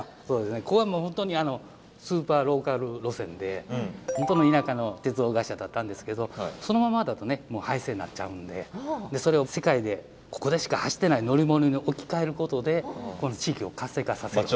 ここはもう本当にスーパーローカル路線で本当に田舎の鉄道会社だったんですけどそのままだと廃線になっちゃうんでそれを世界でここでしか走ってない乗り物に置き換えることで地域を活性化させる。